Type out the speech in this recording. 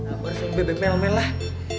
aku harus hubungi bebek melmel lah